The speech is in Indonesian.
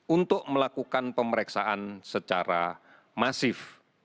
untuk melakukan pemeriksaan secara masif